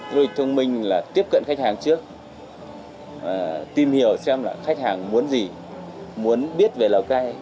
du lịch thông minh là tiếp cận khách hàng trước tìm hiểu xem là khách hàng muốn gì muốn biết về lào cai